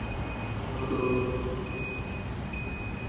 গতকাল বাদ জুমা নগরের জমিয়াতুল ফালাহ মসজিদে তাঁর জানাজা অনুষ্ঠিত হয়।